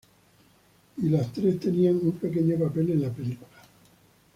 Y las tres tenían un pequeño papel en la película.